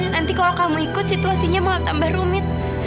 nanti kalau kamu ikut situasinya mau tambah rumit